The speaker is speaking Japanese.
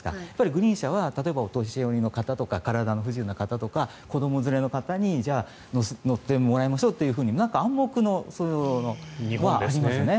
グリーン車はお年寄りの方とか体が不自由な方とか子ども連れの方にじゃあ乗ってもらいましょうって暗黙のあれがありましたね。